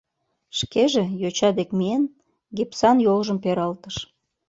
Шкеже, йоча дек миен, гипсан йолжым пералтыш.